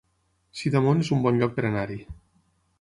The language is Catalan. Sidamon es un bon lloc per anar-hi